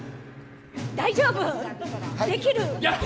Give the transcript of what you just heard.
大丈夫、できる！